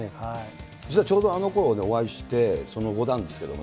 実はちょうどあのころお会いして、その後なんですけれども、